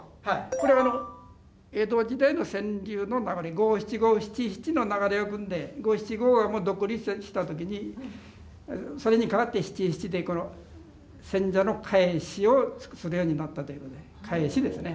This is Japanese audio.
これ江戸時代の川柳の中に五七五七七の流れをくんで五七五が独立した時にそれにかわって七七でこの選者の返しをするようになったということで返しですね。